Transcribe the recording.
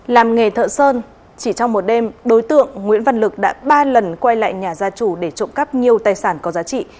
làm nghề thợ sơn chỉ trong một đêm đối tượng nguyễn văn lực đã ba lần quay lại nhà gia chủ để trộm cắp nhiều tài sản có giá trị